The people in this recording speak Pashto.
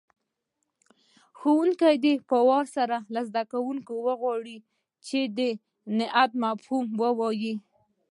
ښوونکی دې په وار سره له زده کوونکو وغواړي چې د نعت مفهوم ووایي.